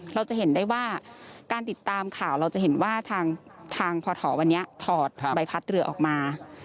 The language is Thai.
เราจะเห็นได้ว่าการติดตามข่าวเราจะเห็นว่าทางพอถอวันนี้ถอดใบพัดเรือออกมา